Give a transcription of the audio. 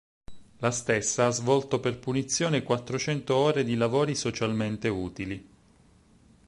La stessa ha svolto per punizione quattrocento ore di lavori socialmente utili.